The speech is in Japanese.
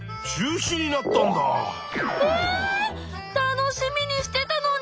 楽しみにしてたのに！